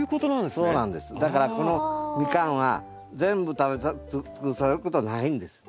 だからこのミカンは全部食べ尽くされることはないんです。